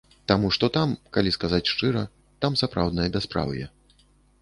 Таму што там, калі сказаць шчыра, там сапраўднае бяспраўе.